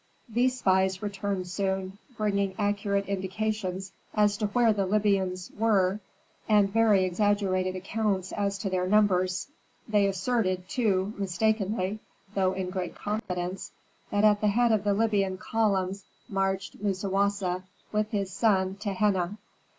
These spies returned soon, bringing accurate indications as to where the Libyans were and very exaggerated accounts as to their numbers. They asserted, too, mistakenly, though in great confidence, that at the head of the Libyan columns marched Musawasa with his son Tehenna.